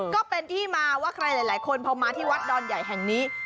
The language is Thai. ก็เป็นที่มาว่าใครหลายคนพอมาที่วัดดอนใหญ่แห่งนี้